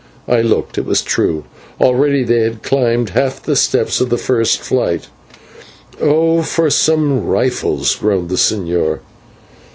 I looked; it was true. Already they had climbed half the steps of the first flight. "Oh for some rifles!" groaned the señor.